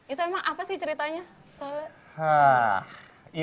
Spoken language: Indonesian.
itu emang apa sih ceritanya